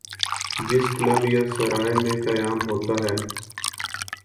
جس کلب یا سرائے میں قیام ہوتا ہے۔